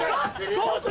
どうする？